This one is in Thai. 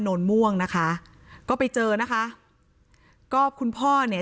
นนม่วงนะคะก็ไปเจอนะคะก็คุณพ่อเนี่ย